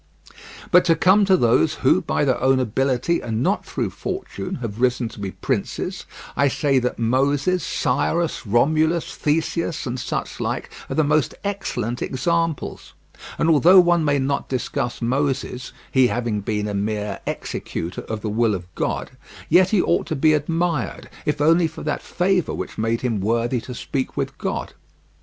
But to come to those who, by their own ability and not through fortune, have risen to be princes, I say that Moses, Cyrus, Romulus, Theseus, and such like are the most excellent examples. And although one may not discuss Moses, he having been a mere executor of the will of God, yet he ought to be admired, if only for that favour which made him worthy to speak with God.